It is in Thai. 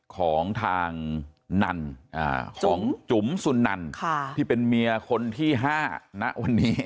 ของทางนันของจุ๋มสุนันที่เป็นเมียคนที่๕ณวันนี้